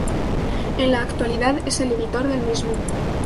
En la actualidad es el editor del mismo.